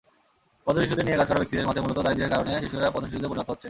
পথশিশুদের নিয়ে কাজ করা ব্যক্তিদের মতে, মূলত দারিদ্র্যের কারণে শিশুরা পথশিশুতে পরিণত হচ্ছে।